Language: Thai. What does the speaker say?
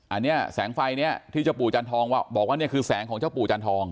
อันนี้แสงไฟเนี่ยที่เจ้าปู่จันทองบอกว่านี่คือแสงของเจ้าปู่จันทอง